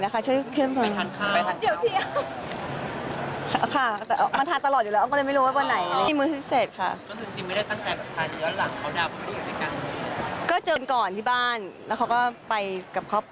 ก็ทานกันบ่อยละคะว๩ลายมื้อก็เลยไม่ได้แบบ